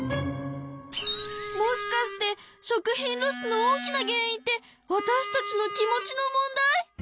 もしかして食品ロスの大きな原因ってわたしたちの気持ちの問題？